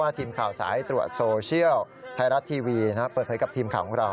ทีมข่าวสายตรวจโซเชียลไทยรัฐทีวีเปิดเผยกับทีมข่าวของเรา